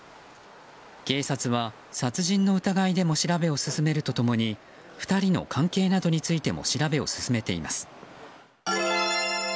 警察は、殺人の疑いでも調べを進めると共に２人の関係などについても調べを進めています。